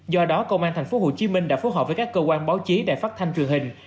do đó công an tp hcm đã phối hợp với các cơ quan báo chí đài phát thanh truyền hình